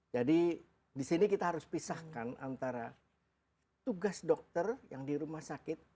jadi disini kita harus pisahkan antara tugas dokter yang di rumah sakit